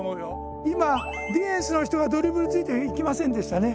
今ディフェンスの人がドリブルついていきませんでしたね。